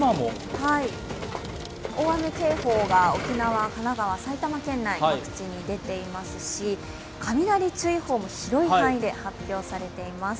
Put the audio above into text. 大雨警報が沖縄、神奈川、関東、埼玉県内、各地に出ていますし、雷注意報も広い範囲で発表されています。